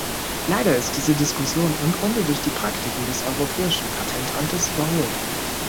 Leider ist diese Diskussion im Grunde durch die Praktiken des Europäischen Patentamtes überholt.